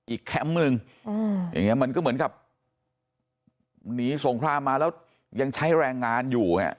แคมป์หนึ่งอย่างนี้มันก็เหมือนกับหนีสงครามมาแล้วยังใช้แรงงานอยู่